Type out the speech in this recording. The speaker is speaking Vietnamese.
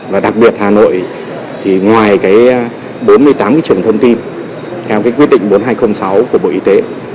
và đặc biệt hà nội thì ngoài bốn mươi tám trường thông tin theo cái quyết định bốn nghìn hai trăm linh sáu của bộ y tế